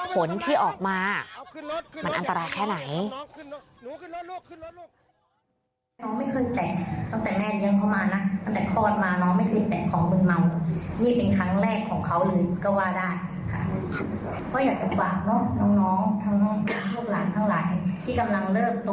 ผลที่ออกมามันอันตรายแค่ไหน